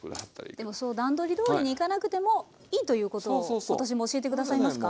でもそう段取りどおりにいかなくてもいいということを今年も教えて下さいますか？